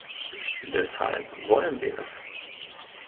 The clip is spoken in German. Deshalb wollen wir es.